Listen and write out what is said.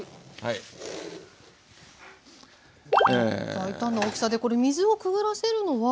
大胆な大きさでこれ水をくぐらせるのは何か？